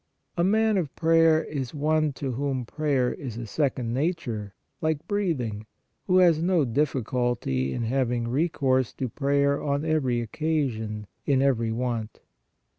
A man of prayer is one to whom prayer is a second nature, like breathing, who has no difficulty in having re course to prayer on every occasion, in every want.